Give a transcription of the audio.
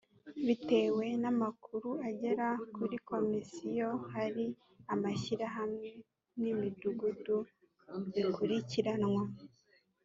bitewe n amakuru agera kuri komisiyo hari amashyirahamwe n imidugudu bikurikiranwa